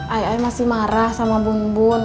ay ay masih marah sama bumbun